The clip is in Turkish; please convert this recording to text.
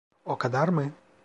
O kadar mı?